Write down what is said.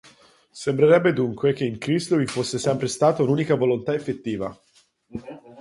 Sembrerebbe dunque che in Cristo vi fosse sempre stata un'unica volontà effettiva.